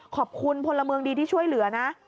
ขอบคุณพลเมืองดีที่ช่วยเหลือนะ